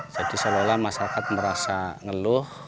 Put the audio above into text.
jadi selalu masyarakat merasa ngeluh